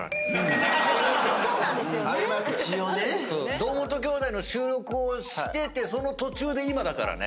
『堂本兄弟』の収録をしててその途中で今だからね。